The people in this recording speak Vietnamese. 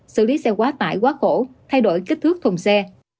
xử lý xe quá tải quá khổ thay đổi kích thước thùng xe